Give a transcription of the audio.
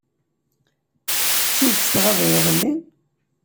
D tidet tɣabeḍ iḍelli?